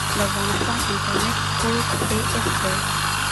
د افغانستان انټرنیټ کوډ af دی